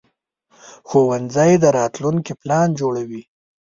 ښوونځی د راتلونکي پلان جوړوي